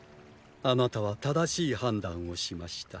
あなたは正しい判断をしました。